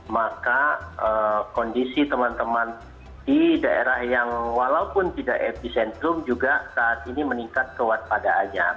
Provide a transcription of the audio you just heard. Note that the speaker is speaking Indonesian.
maka kondisi teman teman di daerah yang walaupun tidak epicentrum juga saat ini meningkat kewaspadaannya